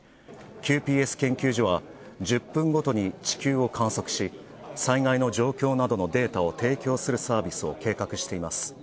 ＱＰＳ研究所は１０分ごとに地球を観測し、災害の状況などのデータを提供するサービスを計画しています。